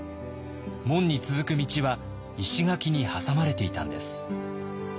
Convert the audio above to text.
門に続く道は石垣に挟まれていたんです。